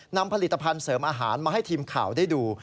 นำผลิตภัณฑ์เสริมอาหารมาให้ทีมข่าวได้ดู